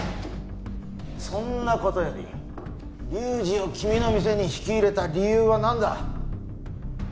そんな事より龍二を君の店に引き入れた理由はなんだ？